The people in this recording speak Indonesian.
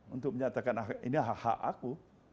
untuk menyatakan ini hak hak aku